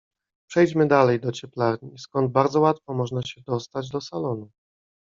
"Przejdźmy dalej do cieplarni, skąd bardzo łatwo można się dostać do salonu."